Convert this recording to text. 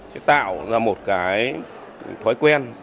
sẽ tạo ra một cái thói quen